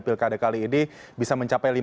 pilkada kali ini bisa mencapai